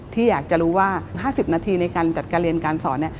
ที่อยากจะรู้ว่า๕๐นาทีในการจัดการเรียนการสอน